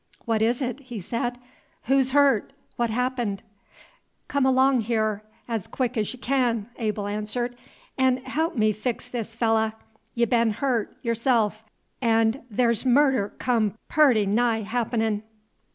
"What is it?" he said. "Who'shurt? What's happened?" "Come along here 'z quick 'z y' ken," Abel answered, "'n' haalp me fix this fellah. Y' been hurt, y'rself, 'n' the' 's murder come pooty nigh happenin'."